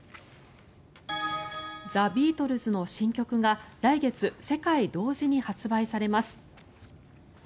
ザ・ビートルズの新曲が来月、世界同時に発売されます。